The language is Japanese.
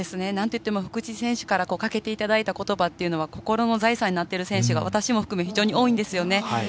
なんといっても福士選手からかけていただいたことばというのは心の財産となってる選手が私も含め、非常に多いんですよね。